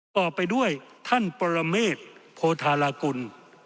ต่อไปด้วยท่านปรเมษโพธารากุล